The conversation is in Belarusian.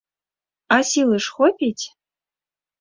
А сілы ж хопіць?